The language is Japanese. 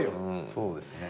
そうですね。